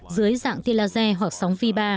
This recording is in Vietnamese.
dưới dạng tiên laser hoặc sóng v ba